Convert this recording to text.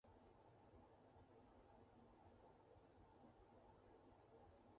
至晚上十点有上千名学生胸带白花手持蜡烛沿校园进行烛光游行。